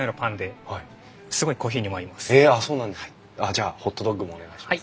じゃあホットドッグもお願いします。